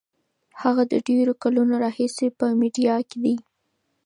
هغه د ډېرو کلونو راهیسې په میډیا کې دی.